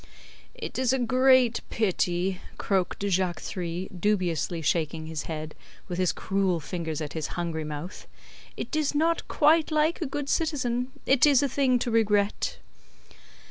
"It is a great pity," croaked Jacques Three, dubiously shaking his head, with his cruel fingers at his hungry mouth; "it is not quite like a good citizen; it is a thing to regret."